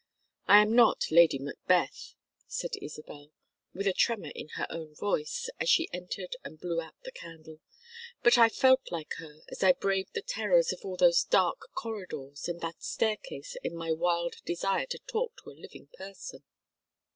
"I am not Lady Macbeth," said Isabel, with a tremor in her own voice, as she entered and blew out the candle. "But I felt like her as I braved the terrors of all those dark corridors and that staircase in my wild desire to talk to a living person.